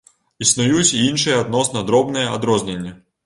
Існуюць і іншыя адносна дробныя адрозненні.